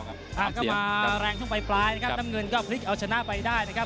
ก็มาแรงที่ไปปลายน้ำเงินก็พลิกเอาชนะไปได้นะครับ